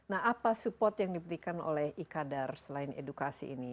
nah apa support yang diberikan oleh ikadar selain edukasi ini